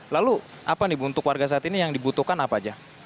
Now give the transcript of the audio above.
lalu apa nih bu untuk warga saat ini yang dibutuhkan apa aja